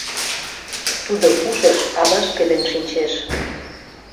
Тудо пушыш аваж пелен шинчеш.